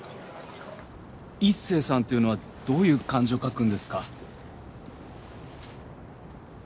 イッセイさんっていうのはどういう漢字を書くんですか？